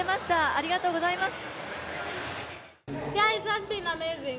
ありがとうございます。